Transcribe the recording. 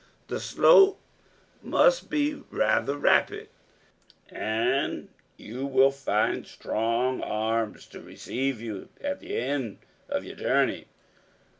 The slope must be rather rapid and you will find strong arms to receive you at the end of your journey.